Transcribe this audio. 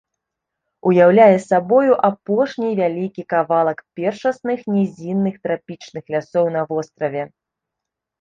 Уяўляе сабою апошні вялікі кавалак першасных нізінных трапічных лясоў на востраве.